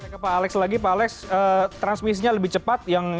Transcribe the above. saya ke pak alex lagi pak alex transmisinya lebih cepat